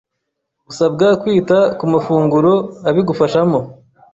usabwa kwita ku mafunguro abigufashamo